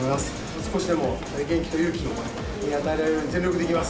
少しでも元気と勇気を与えられるように全力でいきます。